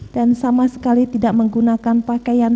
dan sama sekali tidak menggunakan pakaian